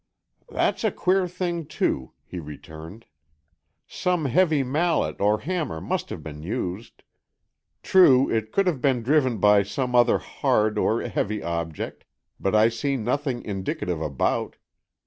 "That's a queer thing, too," he returned. "Some heavy mallet or hammer must have been used. True, it could have been driven by some other hard or heavy object, but I see nothing indicative about.